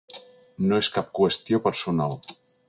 No és cap qüestió personal.